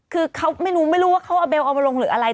คือเขาไม่รู้ไม่รู้ว่าเขาเอาเบลเอามาลงหรืออะไร